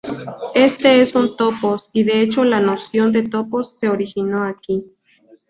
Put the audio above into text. Éste es un topos, y de hecho la noción de topos se originó aquí.